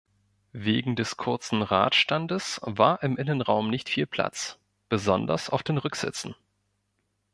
Wegen des kurzen Radstandes war im Innenraum nicht viel Platz, besonders auf den Rücksitzen.